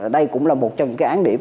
đây cũng là một trong những án điểm